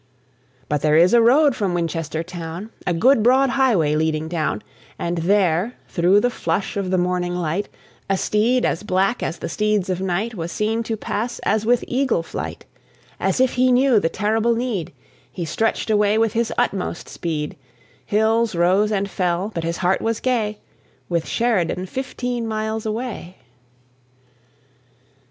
But there is a road from Winchester town, A good, broad highway leading down; And there, through the flush of the morning light, A steed as black as the steeds of night Was seen to pass as with eagle flight; As if he knew the terrible need, He stretched away with his utmost speed; Hills rose and fell; but his heart was gay, With Sheridan fifteen miles away.